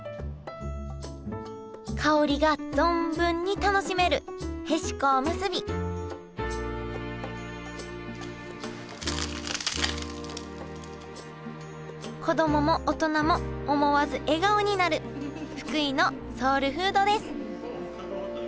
香りが存分に楽しめるへしこおむすび子供も大人も思わず笑顔になる福井のソウルフードです